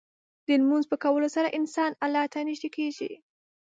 د لمونځ په کولو سره انسان الله ته نږدې کېږي.